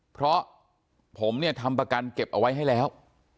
เพราะผมเนี่ยทำประกันเก็บเอาไว้ให้แล้ว